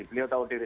beliau tahu diri